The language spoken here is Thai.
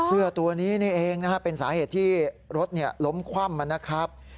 เสื้อตัวนี้นี่เองนะฮะเป็นสาเหตุที่รถล้มคว่ำนะครับ